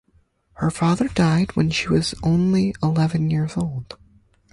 Her father died when she was only eleven years old.